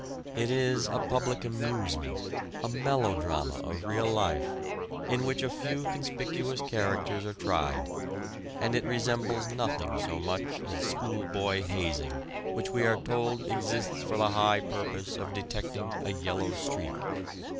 It is a public amusement, a melodrama of real life, in which a few conspicuous characters are tried, and it resembles nothing so much as schoolboy hazing which we are told exists for the high purpose of detecting a "yellow streak."